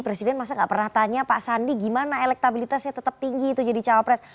presiden masa gak pernah tanya pak sandi gimana elektabilitasnya tetap tinggi itu jadi cawapres